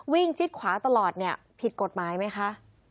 วิ่งจิ๊ดขวาตลอดผิดกฎหมายไหมคะ